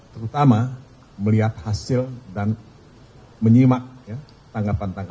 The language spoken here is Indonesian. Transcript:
terutama melihat hasil dan menyimak tanggapan tanggapan